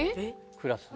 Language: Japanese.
クラスで。